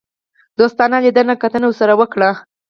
دوستانه لیدنه کتنه ورسره وکړي.